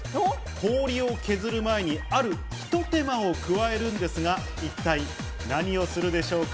氷を削る前にあるひと手間を加えるんですが一体、何をするでしょうか？